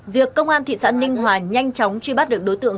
việc công an thị xã ninh hòa nhanh chóng truy bắt được đối tượng